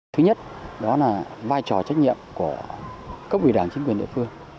thứ nhất đó là vai trò trách nhiệm của cấp ủy đảng chính quyền địa phương